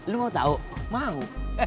lu mau tau mau